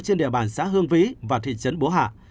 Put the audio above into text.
trên địa bàn xã hương vĩ và thị trấn bố hà